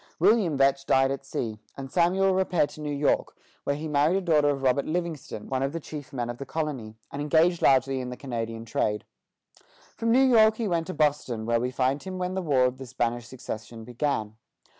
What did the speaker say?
William Vetch died at sea, and Samuel repaired to New York, where he married a daughter of Robert Livingston, one of the chief men of the colony, and engaged largely in the Canadian trade. From New York he went to Boston, where we find him when the War of the Spanish Succession began.